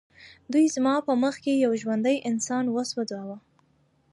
دوی زما په مخ کې یو ژوندی انسان وسوځاوه